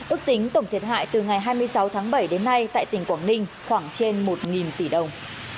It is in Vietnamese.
ước tính tổng thiệt hại từ ngày hai mươi sáu tháng bảy đến nay tại tỉnh quảng ninh khoảng trên một tỷ đồng